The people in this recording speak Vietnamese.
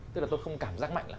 tức là tôi không cảm giác mạnh lắm